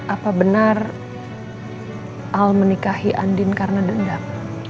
apa benar al menikahi andin karena dendam